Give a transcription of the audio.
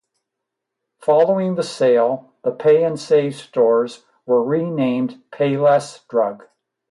Following the sale, the Pay 'n Save stores were renamed PayLess Drug.